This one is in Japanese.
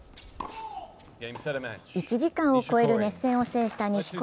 １時間を超える熱戦を制した錦織。